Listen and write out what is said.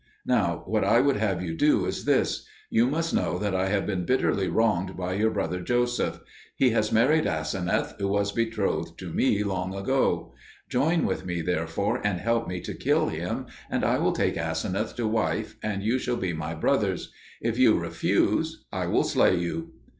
Now what I would have you do is this. You must know that I have been bitterly wronged by your brother Joseph: he has married Aseneth, who was betrothed to me long ago. Join with me therefore and help me to kill him, and I will take Aseneth to wife, and you shall be my brothers. If you refuse, I will slay you."